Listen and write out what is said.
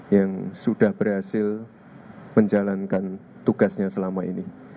yang sudah berhasil menjalankan tugasnya selama ini